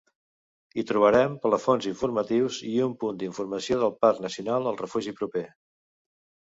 Hi trobarem plafons informatius i un punt d'informació del Parc Nacional al refugi proper.